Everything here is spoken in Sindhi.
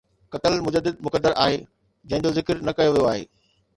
قتل مجدد مقدر آهي، جنهن جو ذڪر نه ڪيو ويو آهي